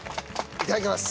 いただきます。